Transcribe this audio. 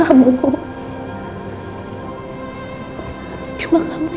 yang bisa memperbaiki